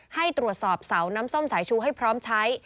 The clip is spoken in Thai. ให้ตรวจสอบเสาน้ำส้มสายชูให้พร้อมใช้